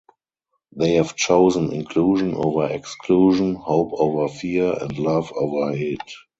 They have chosen inclusion over exclusion, hope over fear and love over hate.